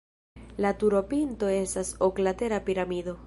La turopinto estas oklatera piramido.